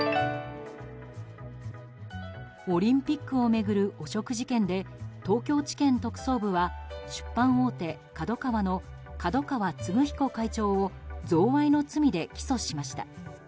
オリンピックを巡る汚職事件で東京地検特捜部は出版大手ＫＡＤＯＫＡＷＡの角川歴彦会長を贈賄の罪で起訴しました。